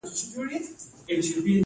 سرلوړی دې وي زموږ ملت.